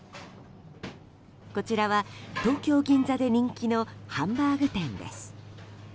こちらは東京・銀座で人気のハンバーグ店です。